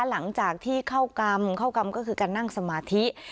หลังจากที่เข้ากรรมเข้ากรรมก็คือการนั่งสมาธิ